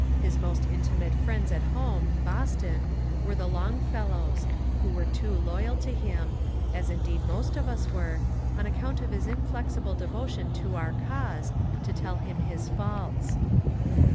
His most intimate friends at home (Boston) were the Longfellows, who were too loyal to him, as indeed most of us were, on account of his inflexible devotion to our cause, to tell him his faults.